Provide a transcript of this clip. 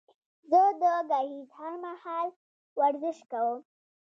زه د ګهيځ هر مهال ورزش کوم